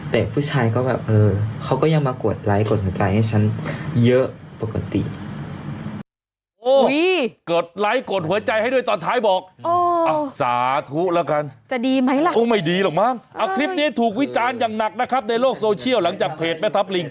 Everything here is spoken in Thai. แต่ผู้ชายก็แบบเออเขาก็ยังมากดไลค์กดหัวใจให้ฉันเยอะปกติ